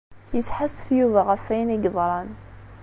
Yesḥassef Yuba ɣef wayen i yeḍran.